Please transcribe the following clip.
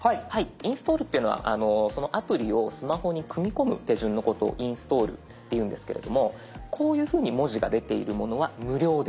インストールっていうのはアプリをスマホに組み込む手順のことをインストールっていうんですけれどもこういうふうに文字が出ているものは無料で。